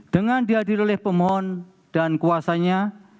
dengan dihadir oleh pemohon dan kuasanya